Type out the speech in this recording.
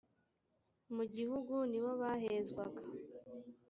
mu gihugu ni bo bahezwaga